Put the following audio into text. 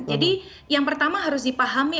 jadi yang pertama harus dipahami